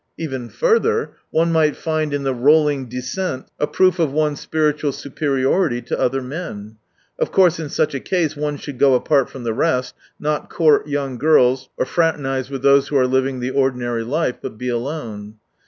Even further, one might find in the rolling descent a proof of one's spiritual superiority to other men. Of course in such a case one should go apart from the rest, not court young gifis or fraternise with those who are living the ordinary life, but be alone.